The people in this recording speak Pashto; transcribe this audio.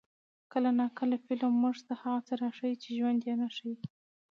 کله ناکله فلم موږ ته هغه څه راښيي چې ژوند یې نه ښيي.